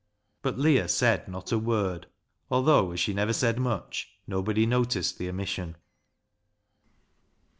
But Leah said not a word, although, as she never said much, nobody noticed the omission.